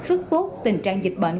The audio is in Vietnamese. rất tốt tình trạng dịch bệnh